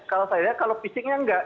kalau saya lihat kalau pisiknya enggak